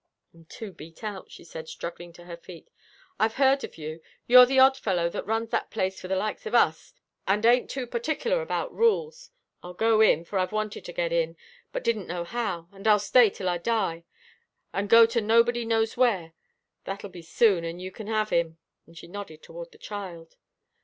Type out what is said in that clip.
"I'm too beat out," she said, struggling to her feet. "I've heard of you. You're the odd fellow that runs that place for the likes of us, an' ain't too partickler about rules. I'll go in, for I've wanted to get in, but didn't know how, and I'll stay till I die, and go to nobody knows where. That'll be soon, an' you kin have him" and she nodded toward the child.